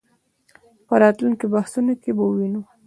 په راتلونکو بحثونو کې به ووینو.